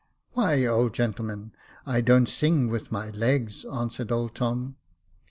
"Why, old gentleman, I don't sing with my legs,^^ answered old Tom.